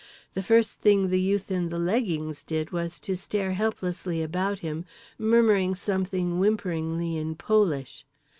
The first thing the youth in the leggings did was to stare helplessly about him, murmuring something whimperingly in Polish.